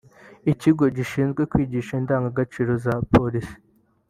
ikigo gishinzwe kwigisha indangagaciro za Polisi